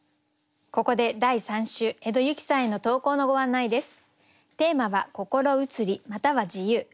ここで第３週江戸雪さんへの投稿のご案内です。